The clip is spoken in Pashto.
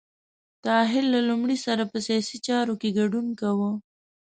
طاهر له لومړي سره په سیاسي چارو کې ګډون کاوه.